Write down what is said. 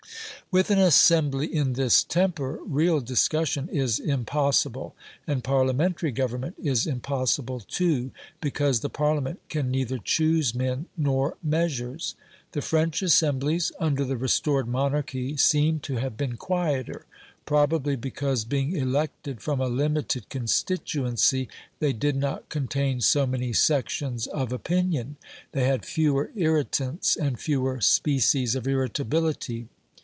With an Assembly in this temper, real discussion is impossible, and Parliamentary government is impossible too, because the Parliament can neither choose men nor measures. The French assemblies under the Restored Monarchy seem to have been quieter, probably because being elected from a limited constituency they did not contain so many sections of opinion; they had fewer irritants and fewer species of irritability.